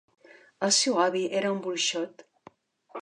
El seu avi era un bruixot.